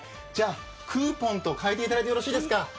クーポンと代えていただいてよろしいですか。